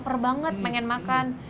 laper banget pengen makan